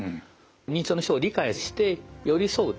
認知症の人を理解して寄り添うと。